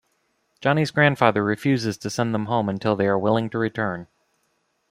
Johnny's grandfather refuses to send them home until they are willing to return.